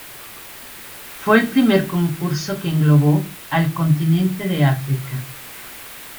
Fue el primer concurso que englobó al continente de África.